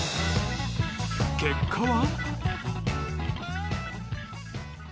結果は。